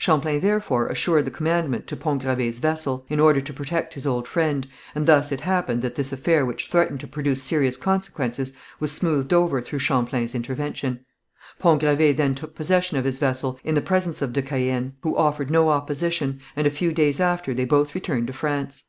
Champlain therefore assured the commandment to Pont Gravé's vessel, in order to protect his old friend, and thus it happened that this affair which threatened to produce serious consequences, was smoothed over through Champlain's intervention. Pont Gravé then took possession of his vessel in the presence of de Caën, who offered no opposition, and a few days after they both returned to France.